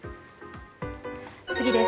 次です。